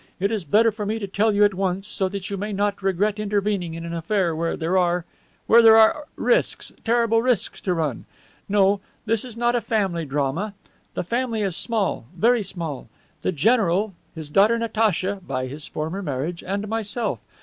It is better for me to tell you at once, so that you may not regret intervening in an affair where there are where there are risks terrible risks to run. No, this is not a family drama. The family is small, very small: the general, his daughter Natacha (by his former marriage), and myself.